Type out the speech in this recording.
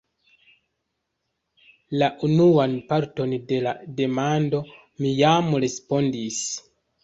La unuan parton de la demando mi jam respondis.